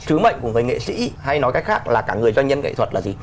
sứ mệnh của người nghệ sĩ hay nói cách khác là cả người doanh nhân nghệ thuật là gì